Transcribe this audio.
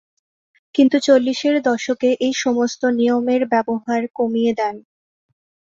কিন্তু চল্লিশের দশকে এই সমস্ত নিয়মের ব্যবহার কমিয়ে দেন।